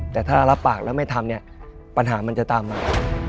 แต่ถ้ารับปากแล้วไม่ทำเนี่ยปัญหามันจะตามมา